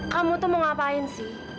kamu tuh mau ngapain sih